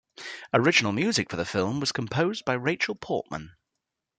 Original music for the film was composed by Rachel Portman.